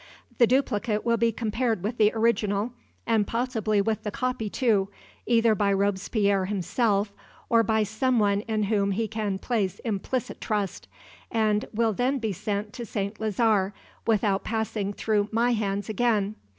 The duplicate will be compared with the original, and possibly with the copy, too, either by Robespierre himself, or by some one in whom he can place implicit trust, and will then be sent to St. Lazare without passing through my hands again.